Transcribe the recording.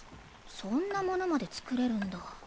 そんなものまで作れるんだ。